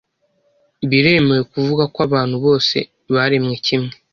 Biremewe kuvuga ko abantu bose baremwe kimwe?